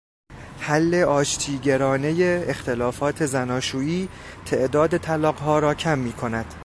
حل آشتیگرانهی اختلافات زناشویی تعداد طلاقها را کم میکند.